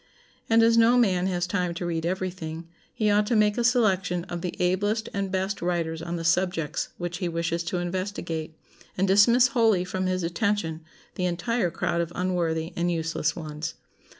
And as no man has time to read every thing, he ought to make a selection of the ablest and best writers on the subjects which he wishes to investigate, and dismiss wholly from his attention the entire crowd of unworthy and useless ones.